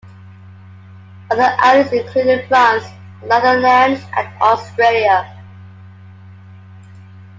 Other allies included France, the Netherlands and Australia.